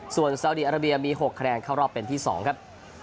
ส่วนซาวดีอาราเบียมี๖คะแนนเข้ารอบเป็นที่๒ครับ